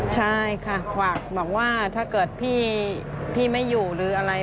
ใช่ค่ะฝากบอกว่าถ้าเกิดพี่ไม่อยู่หรืออะไร